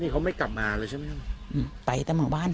นี่เขาไม่กลับมาเลยใช่มั้ยอือไปกับบ้าน